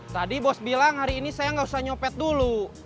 tadi bos bilang hari ini saya nggak usah nyopet dulu